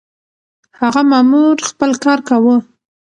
هغه مامور خپل کار کاوه.